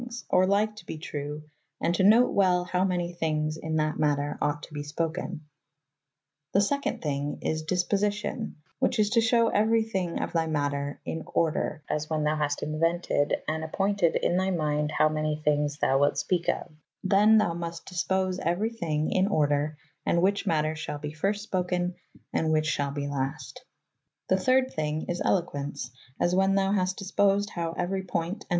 ^, or lyke to be trew & to note well how many thynges in that mat^r ought to be spoken. ^ The . ii . thynge is disposicion, which is to shew euery thyng of thy mzXX.er \n ordre, as whan thou haste inuewtyd & appoynted \n thy mynd how many thyng^i thou wylte speke of, tha« thou must dyspose euery thyng xn ordre & which m3.ter shalbe fyrst spoken & whiche shalbe last. ^The third thing is eloqu^«s, as wha« thou haste disposed how euery poynt & mz.